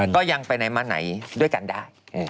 ก็ยังไปไหนมาไหนด้วยกันได้